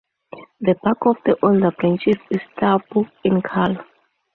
The bark of the older branches is taupe in color.